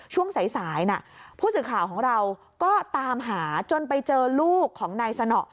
ช่วงสายนะผู้สื่อข่าวของเราก็ตามหาจนไปเจอลูกของนายสนอ